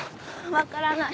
わからない。